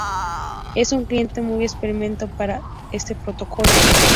Es un cliente muy experimentado para este protocolo.